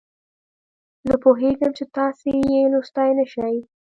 زه پوهیږم چې تاسې یې لوستلای نه شئ.